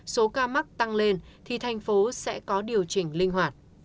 số ca mắc tăng lên thì thành phố sẽ có điều chỉnh linh hoạt